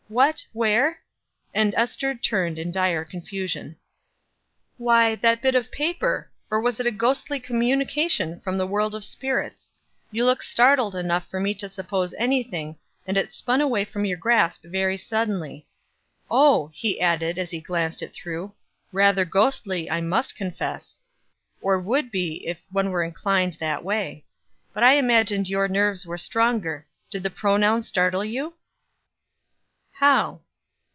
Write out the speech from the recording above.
"What? Where?" And Ester turned in dire confusion. "Why that bit of paper or is it a ghostly communication from the world of spirits? You look startled enough for me to suppose anything, and it spun away from your grasp very suddenly. Oh," he added, as he glanced it through, "rather ghostly, I must confess, or would be if one were inclined that way; but I imagined your nerves were stronger. Did the pronoun startle you?" "How?"